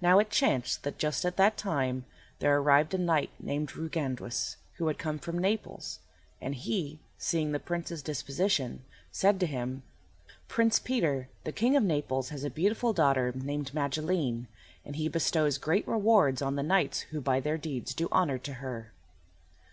Now it chanced that just at that time there arrived a knight named Ruiganduis, who had come from Naples, and he, seeing the Prince's disposition, said to him, "Prince Peter, the King of Naples has a beautiful daughter named Magilene, and he bestows great rewards on the knights who by their deeds do honour to her."